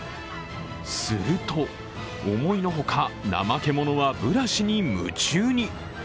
すると、思いのほかナマケモノはブラシに夢中に。